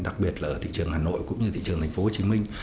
đặc biệt là ở thị trường hà nội cũng như thị trường thành phố hồ chí minh